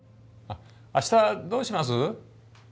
あしたどうします？